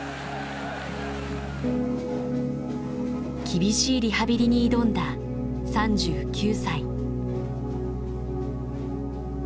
厳しいリハビリに挑んだ３９歳。